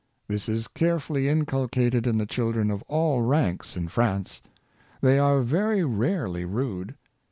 This is carefully incul cated in the children of all ranks in France. They are very rarely rude.